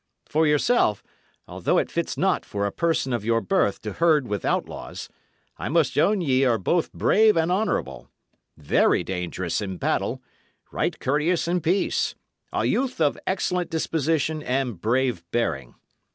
For yourself, although it fits not for a person of your birth to herd with outlaws, I must own ye are both brave and honourable; very dangerous in battle, right courteous in peace; a youth of excellent disposition and brave bearing.